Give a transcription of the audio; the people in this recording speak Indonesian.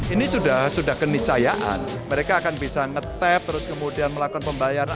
ini sudah kenicayaan mereka akan bisa ngetap terus kemudian melakukan pembayaran